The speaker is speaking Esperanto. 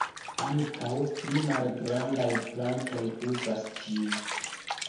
Ankaŭ pli malgrandaj plantoj uzas ĝin.